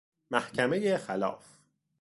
محکمۀ خلاف